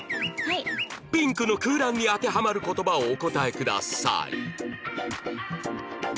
「ピンク」の空欄に当てはまる言葉をお答えください